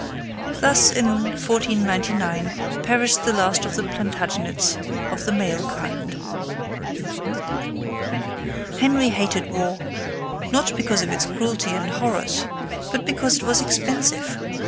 Thus, in 1499, perished the last of the Plantagenets of the male kind. Henry hated war, not because of its cruelty and horrors, but because it was expensive.